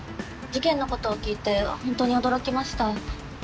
事件のことを聞いて本当に驚きました。